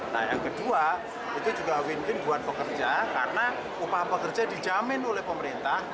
nah yang kedua itu juga win win buat pekerja karena upah pekerja dijamin oleh pemerintah